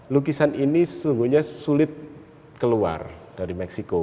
lukisan ini sungguhnya sulit keluar dari meksiko